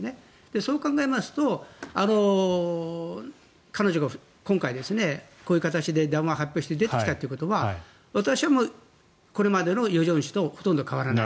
そう考えますと彼女が今回こういう形で談話を発表して出てきたということは私は、これまでの与正氏とほとんど変わらない。